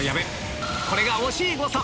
これが惜しい誤差！